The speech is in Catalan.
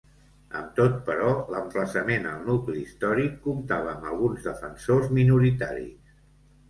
Amb tot, però, l'emplaçament al nucli històric comptava amb alguns defensors minoritaris.